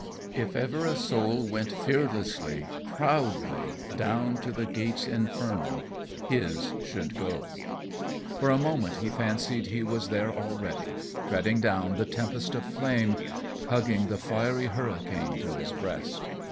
If ever a soul went fearlessly, proudly down to the gates infernal, his should go. For a moment he fancied he was there already, treading down the tempest of flame, hugging the fiery hurricane to his breast.